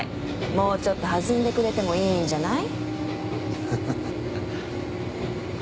もうちょっと弾んでくれてもいいんじゃない？